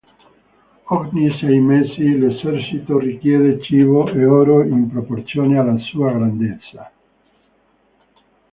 Ogni sei mesi, l'esercito richiede cibo e oro in proporzione alla sua grandezza.